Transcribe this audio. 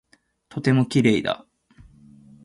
とても綺麗だ。